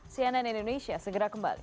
cnn indonesia segera kembali